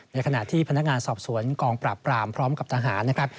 ในขณะที่พนักงานสอบสวนกองปราบปรามพร้อมกับทหารนะครับ